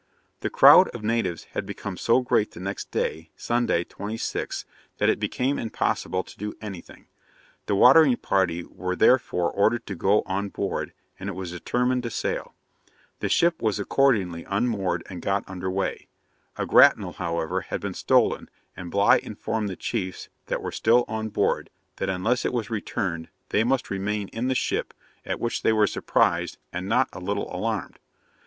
The crowd of natives had become so great the next day, Sunday 26th, that it became impossible to do anything. The watering party were therefore ordered to go on board, and it was determined to sail; the ship was accordingly unmoored and got under weigh. A grapnel, however, had been stolen, and Bligh informed the chiefs that were still on board, that unless it was returned, they must remain in the ship, at which they were surprised and not a little alarmed.